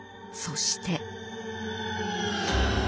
そして。